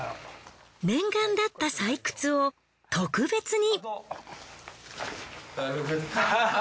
念願だった採掘を特別に。